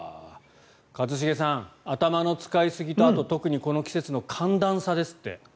一茂さん、頭の使いすぎと特にこの季節の寒暖差ですって。